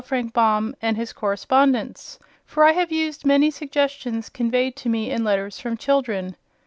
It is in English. Frank Baum and his correspondents," for I have used many suggestions conveyed to me in letters from children.